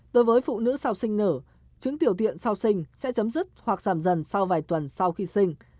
đối với phụ nữ sau sinh nở trứng tiểu tiện sau sinh sẽ chấm dứt hoặc giảm dần sau vài tuần sau khi sinh